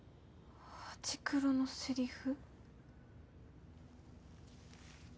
「ハチクロ」のセリフ？